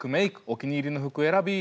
お気に入りの服えらび」